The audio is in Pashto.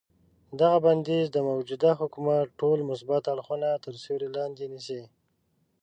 دغه بندیز د موجوده حکومت ټول مثبت اړخونه تر سیوري لاندې نیسي.